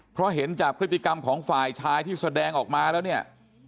เพราะเห็นจากพฤติกรรมของฝ่ายชายที่แสดงออกมาแล้วเนี่ย